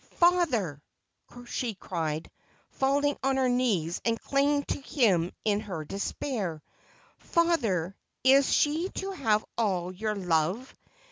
' Father !' she cried, falling on her knees and clinging to him in her despair. ' Father, is she to have all your love